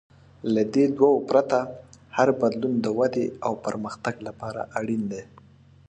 له دې دوو پرته، هر بدلون د ودې او پرمختګ لپاره اړین دی.